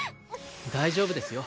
大丈夫ですよ